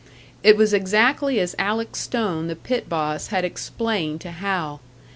It was exactly as Alec Stone, the pit boss, had explained to Hal.